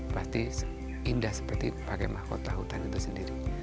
pasti indah seperti pakai mahkota hutan itu sendiri